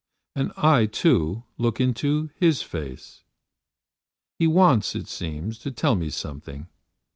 And I, too, look into his face. He wants, it seems, to tell me something.